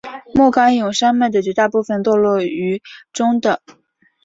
莫戈永山脉的绝大部分坐落于中的。